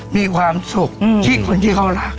มีความสุขที่คนที่เขารัก